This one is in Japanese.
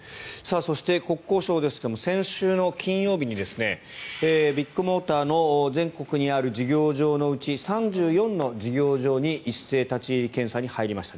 そして、国交省ですが先週金曜日にビッグモーターの全国にある事業場のうち３４の事業場に一斉立ち入り検査に入りました。